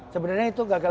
sebenarnya itu gagal